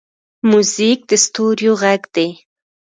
موزیک د ستوریو غږ دی.